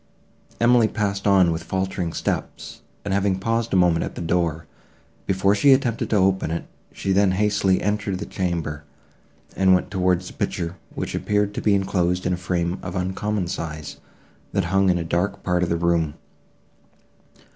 Emily passed on with faltering steps, and having paused a moment at the door, before she attempted to open it, she then hastily entered the chamber, and went towards the picture, which appeared to be enclosed in a frame of uncommon size, that hung in a dark part of the room.